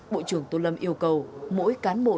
bộ trưởng tô lâm yêu cầu mỗi cán bộ